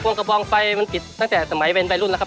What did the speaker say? กระบองไฟมันติดตั้งแต่สมัยเป็นวัยรุ่นแล้วครับ